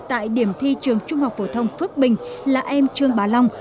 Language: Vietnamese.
tại điểm thi trường trung học phổ thông phước bình là em trương bá long